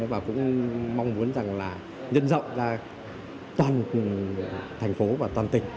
và cũng mong muốn rằng là nhân rộng ra toàn thành phố và toàn tỉnh